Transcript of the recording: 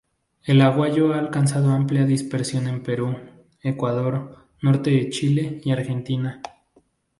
El aguayo ha alcanzado amplia dispersión en Perú, Ecuador, norte de Chile y Argentina.